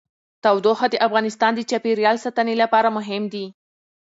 تودوخه د افغانستان د چاپیریال ساتنې لپاره مهم دي.